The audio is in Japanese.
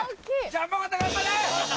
ジャンボ尾形頑張れ！